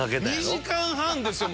２時間半ですよ！